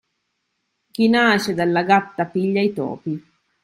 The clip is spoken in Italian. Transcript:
Chi nasce dalla gatta piglia i topi.